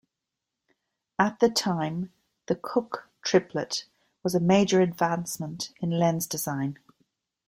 At the time, the Cooke triplet was a major advancement in lens design.